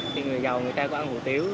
thì người giàu người ta có ăn hủ tiếu